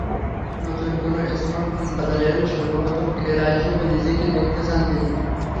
নতুন কোনো স্মার্টফোন বাজারে এলে সর্বপ্রথম ক্রেতা হিসেবে নিজেকে দেখতে চান তিনি।